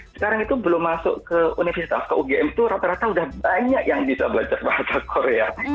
sekarang itu belum masuk ke universitas ke ugm itu rata rata udah banyak yang bisa belajar bahasa korea